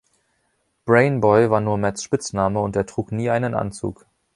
„Brain Boy“ war nur Matts Spitzname und er trug nie einen Anzug.